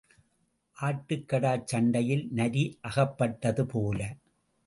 ஆட்டுக்கடாச் சண்டையிலே நரி அகப்பட்டதுபோல.